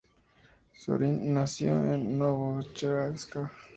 Zorin Nació en Novocherkask.